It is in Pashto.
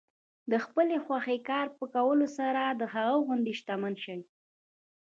د خپلې خوښې کار په کولو سره د هغه غوندې شتمن شئ.